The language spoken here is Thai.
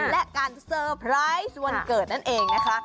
และการเซอร์ไพรส์วันเกิดนั่นเองนะคะ